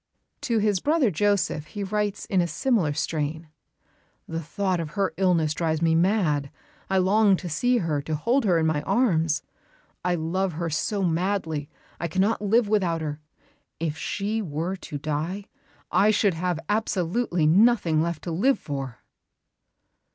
To his brother Joseph he writes in a similar strain: "The thought of her illness drives me mad. I long to see her, to hold her in my arms. I love her so madly, I cannot live without her. If she were to die, I should have absolutely nothing left to live for."